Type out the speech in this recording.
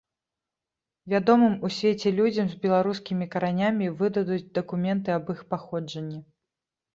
Вядомым у свеце людзям з беларускімі каранямі выдадуць дакументы аб іх паходжанні.